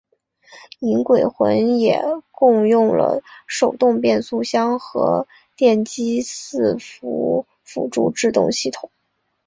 银鬼魂也共用了手动变速箱和机械伺服辅助制动系统。